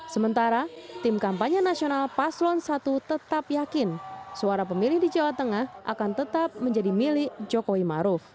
sementara tim kampanye nasional paslon satu tetap yakin suara pemilih di jawa tengah akan tetap menjadi milik jokowi maruf